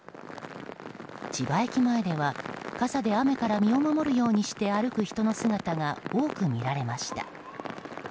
千葉駅前では傘で雨から身を守るようにして歩く人の姿が多く見られました。